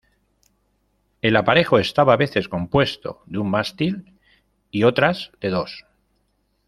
El aparejo estaba a veces compuesto de un mástil, y otras de dos.